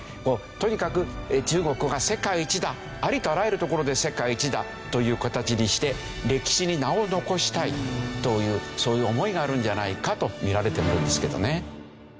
とにかく中国が世界一だありとあらゆるところで世界一だという形にして歴史に名を残したいというそういう思いがあるんじゃないかと見られているようですけどね。